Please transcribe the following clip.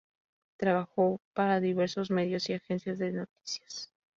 Trabajó para diversos medios y agencias de noticias.